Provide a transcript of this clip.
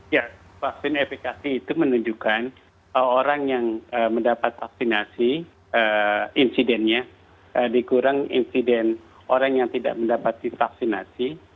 ya vaksin efekasi itu menunjukkan orang yang mendapat vaksinasi insidennya dikurang insiden orang yang tidak mendapati vaksinasi